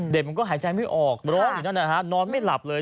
เด็กมันก็หายใจไม่ออกร้อนอยู่นอนไม่หลับเลย